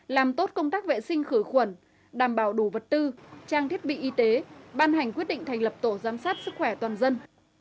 làm tốt công tác vệ sinh khử khuẩn đảm bảo đủ vật tư trang thiết bị y tế ban hành quyết định thành lập tổ giám sát sức khỏe toàn dân